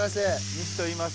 西といいます。